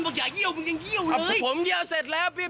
มึงนึกว่าข้ามเขาบ้าง